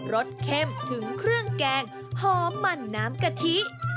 สเข้มถึงเครื่องแกงหอมมันน้ำกะทิ